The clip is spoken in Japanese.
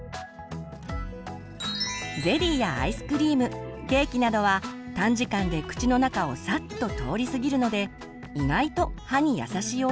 ゼリーやアイスクリームケーキなどは短時間で口の中をさっと通り過ぎるので意外と歯に優しいおやつです。